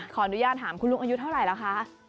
ขออนุญาตถามคุณลุงอายุเท่าไหร่แล้วคะ